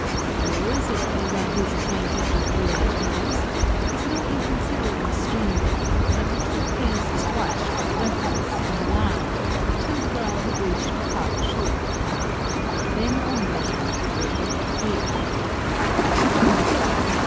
The Meuse, as any one who is acquainted with Li^ge knows, is no inconsider able stream there, and the two priests watched, breathless and alarmed, till the girl had reached the farther shore. Then only did they breathe freely.